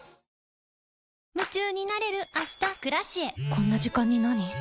こんな時間になに？